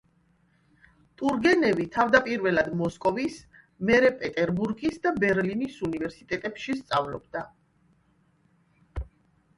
ტურგენევი თავდაპირველად მოსკოვის, მერე პეტერბურგის და ბერლინის უნივერსიტეტებში სწავლობდა.